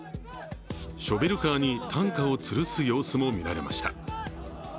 ショベルカーに担架をつるす様子も見られました。